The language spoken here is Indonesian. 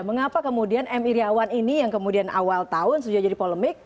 mengapa kemudian m iryawan ini yang kemudian awal tahun sudah jadi polemik